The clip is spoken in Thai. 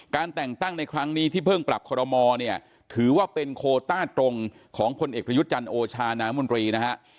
แต่งตั้งในครั้งนี้ที่เพิ่งปรับคอรมอเนี่ยถือว่าเป็นโคต้าตรงของพลเอกประยุทธ์จันทร์โอชานามนตรีนะฮะ